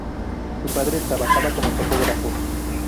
Su padre trabajaba como topógrafo.